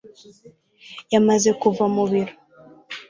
yamaze kuva mu biro